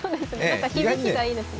響きがいいですね。